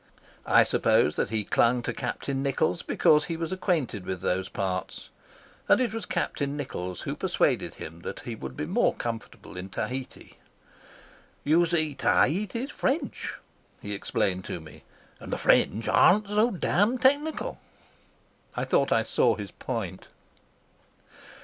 I suppose that he clung to Captain Nichols because he was acquainted with those parts, and it was Captain Nichols who persuaded him that he would be more comfortable in Tahiti. "You see, Tahiti's French," he explained to me. "And the French aren't so damned technical." I thought I saw his point.